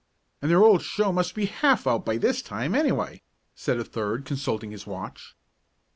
"And their old show must be half out by this time, anyway," said a third, consulting his watch.